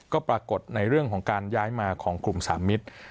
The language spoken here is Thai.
ก็ปรากฏในเรื่องที่ย้ายมาของกลุ่มศามิศ